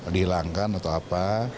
dihilangkan atau apa